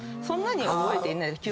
そんなに覚えていない。